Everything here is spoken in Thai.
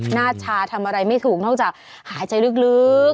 หน้าชาทำอะไรไม่ถูกนอกจากหายใจลึก